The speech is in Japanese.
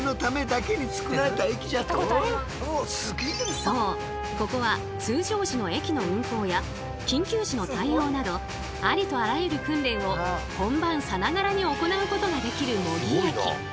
そうここは通常時の駅の運行や緊急時の対応などありとあらゆる訓練を本番さながらに行うことができる模擬駅。